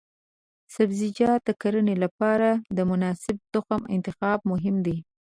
د سبزیجاتو د کرنې لپاره د مناسب تخم انتخاب مهم دی.